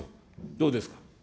どうですか。